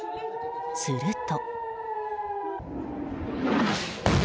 すると。